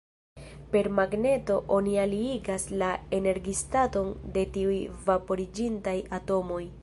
Per magneto oni aliigas la energistaton de tiuj vaporiĝintaj atomoj.